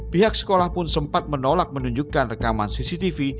pihak sekolah pun sempat menolak menunjukkan rekaman cctv